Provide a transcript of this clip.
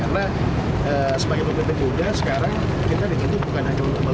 karena sebagai pemerintah muda sekarang kita dikunci bukan hanya untuk perubahan